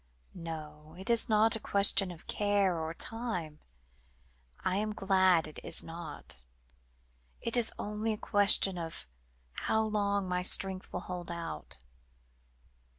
"No, it is not a question of care, or time. I am glad it is not. It is only a question of how long my strength will hold out.